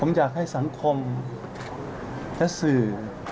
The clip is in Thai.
ผมอยากให้สังคมและสื่อ